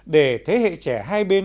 để thế hệ trẻ hai bên